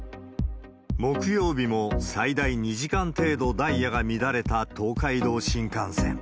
木曜日も最大２時間程度ダイヤが乱れた東海道新幹線。